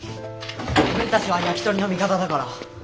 俺たちはヤキトリの味方だから。